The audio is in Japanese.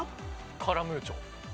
カラムーチョ。